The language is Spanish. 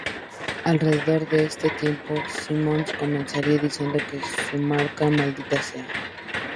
Alrededor de este tiempo, Simmons comenzaría diciendo que su marca "¡Maldita sea!